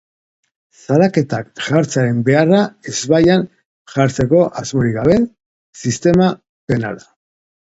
Salaketak jartzearen beharra ezbaian jartzeko asmorik gabe, sistema penala.